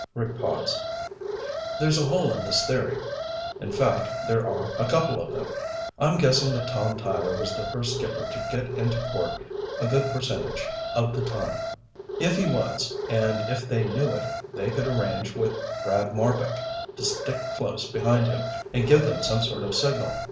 Rick paused. "There's a hole in this theory. In fact, there are a couple of them. I'm guessing that Tom Tyler was the first skipper to get into port a good percentage of the time. If he was, and if they knew it, they could arrange with Brad Marbek to stick close behind him and give them some sort of signal.